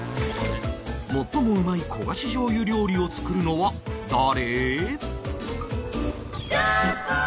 最もうまい焦がし醤油料理を作るのは誰？